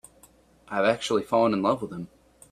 I've actually fallen in love with him.